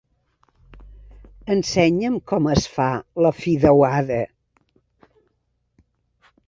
Ensenya'm com es fa la fideuada.